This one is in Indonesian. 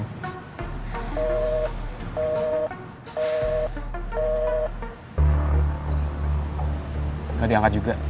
enggak diangkat juga